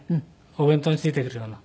お弁当に付いてくるような。